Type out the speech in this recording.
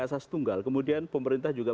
asas tunggal kemudian pemerintah juga